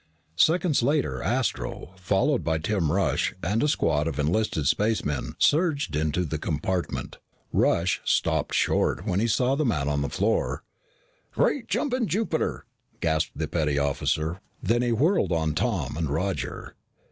Seconds later, Astro, followed by Tim Rush and a squad of enlisted spacemen, surged into the compartment. Rush stopped short when he saw the man on the floor. "Great jumping Jupiter," gasped the petty officer, then whirled on Tom and Roger.